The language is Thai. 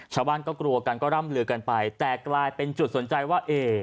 ชาวบ้านก็กลัวกันก็ร่ำลือกันไปแต่กลายเป็นจุดสนใจว่าเอ๊